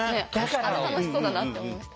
あれ楽しそうだなって思いました。